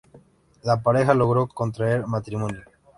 La pareja logró contraer matrimonio.